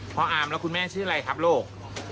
อามแล้วคุณแม่ชื่ออะไรครับลูก